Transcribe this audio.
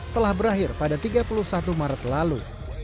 telah berakhir pada tiga puluh satu maret lalu